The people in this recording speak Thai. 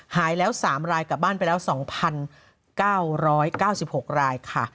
หายแล้ว๓รายกลับบ้านไปแล้ว๒๙๙๖รายค่ะ